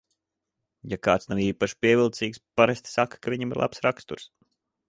Ja kāds nav īpaši pievilcīgs, parasti saka, ka viņam ir labs raksturs.